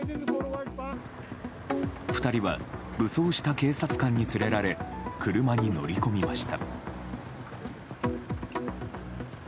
２人は武装した警察官に連れられ車に乗り込みました。